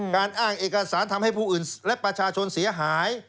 อ้างเอกสารทำให้ผู้อื่นและประชาชนเสียหาย